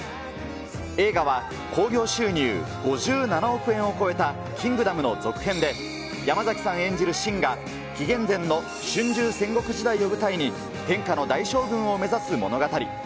映画は、興行収入５７億円を超えた、キングダムの続編で、山崎さん演じる信が、紀元前の春秋戦国時代を舞台に、天下の大将軍を目指す物語。